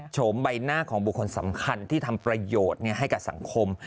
โฉมใบหน้าของบุคคลสำคัญที่ทำประโยชน์ให้กับสังคม